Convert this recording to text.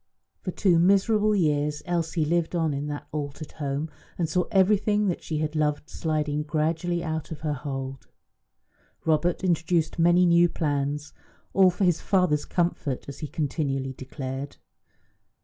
For two miserable years Elsie lived on in that altered home, and saw everything that she had loved sliding gradually out of her hold. Robert introduced many new plans, all for his father's comfort, as he continually declared.